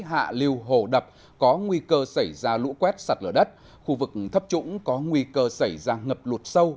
hạ lưu hồ đập có nguy cơ xảy ra lũ quét sạt lở đất khu vực thấp trũng có nguy cơ xảy ra ngập lụt sâu